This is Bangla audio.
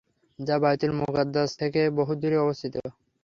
তা বায়তুল মুকাদ্দাস থেকে বহু দূরে অবস্থিত।